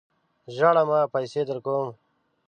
ژاړه مه ! پیسې درکوم.